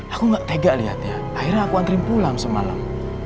aku gak tega liatnya akhirnya aku anterin pulang semalem